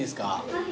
はい。